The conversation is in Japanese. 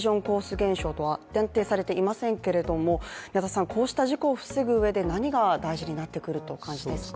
現象とは限定されていませんけれどもこうした事故を防ぐうえで何が大事になってくるとお感じですか？